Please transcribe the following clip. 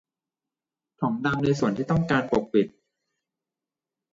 ถมดำในส่วนที่ต้องการปกปิด